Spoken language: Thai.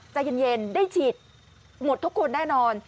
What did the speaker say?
ใจเย็นได้ฉีดหมดทุกคนแน่นอน